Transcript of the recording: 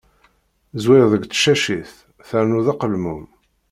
Zwir deg tacacit, ternuḍ aqelmun.